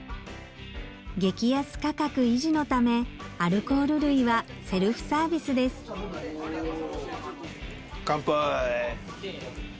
激安価格維持のためアルコール類はセルフサービスですカンパイ！